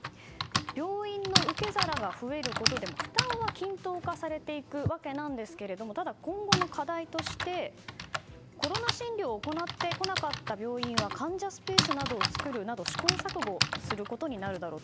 病院の受け皿が増えることで負担は均等化されていくわけなんですがただ、今後の課題としてコロナ診療を行ってこなかった病院は患者スペースなどを作るなど試行錯誤することになるだろう。